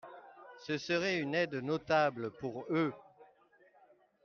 Ce serait une aide notable pour eux.